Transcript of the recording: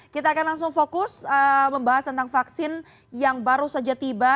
kita akan langsung fokus membahas tentang vaksin yang baru saja tiba